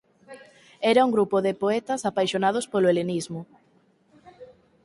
Era un grupo de poetas apaixonados polo helenismo.